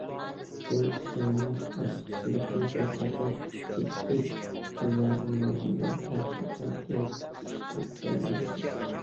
بۇ ئۇسۇلنىڭ ئارتۇقچىلىقى- بىخەتەر، جىددىي پۇل لازىم بولغاندا ھەرقاچان ئېلىپ ئىشلىتەلەيسىز.